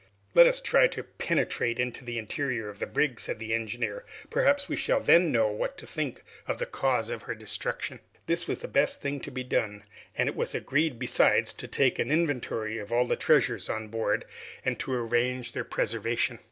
"Let us try to penetrate into the interior of the brig," said the engineer; "perhaps we shall then know what to think of the cause of her destruction." This was the best thing to be done, and it was agreed, besides, to take an inventory of all the treasures on board, and to arrange their preservation.